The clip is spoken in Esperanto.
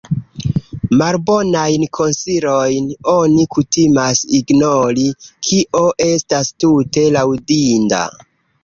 Malbonajn konsilojn oni kutimas ignori, kio estas tute laŭdinda.